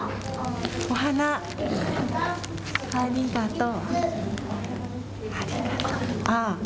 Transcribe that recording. お花、ありがとう。